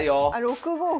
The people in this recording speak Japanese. ６五歩。